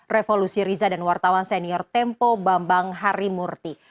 revolusi riza dan wartawan senior tempo bambang harimurti